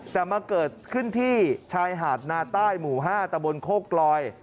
แต่มาเกิดขึ้นที่ชายหาดนาใต้หมู่๕ตะบนโคกลอย